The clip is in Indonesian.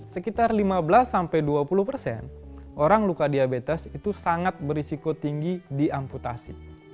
sekitar lima belas sampai dua puluh persen orang luka diabetes itu sangat berisiko tinggi diamputasi